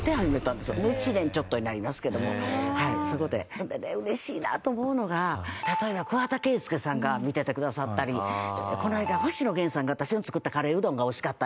それで嬉しいなと思うのが例えば桑田佳祐さんが見ててくださったりこの間星野源さんが私の作ったカレーうどんが美味しかった